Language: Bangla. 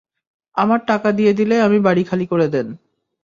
আমার টাকা দিয়ে দিলেই আমি বাড়ি খালি করে দেন।